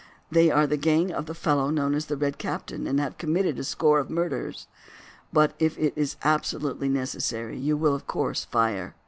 They are the gang of the fellow known as the 'Red Captain,' and have committed a score of murders; but if it is absolutely necessary you will of course fire.